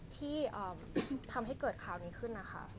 ที่ทำให้เกิดข่าวนี้ขึ้นนะคะ